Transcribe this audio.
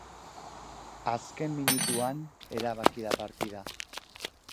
Azken minutuan erabaki da partida.